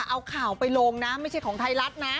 เอาข่าวไปลงนะไม่ใช่ของไทยรัฐนะ